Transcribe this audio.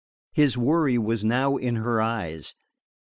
His worry was now in her eyes.